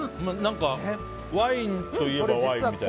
ワインといえばワインみたいな。